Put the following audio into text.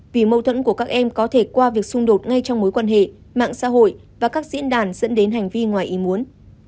vì mâu thuẫn của các em có thể qua việc xung đột ngay trong mối quan hệ mạng xã hội và các diễn đàn dẫn đến hành vi ngoài ý muốn